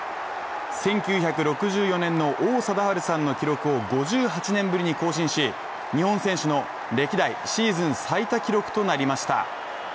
１９６４年の王貞治さんの記録を５８年ぶりに更新し日本選手の歴代シーズン最多記録となりました。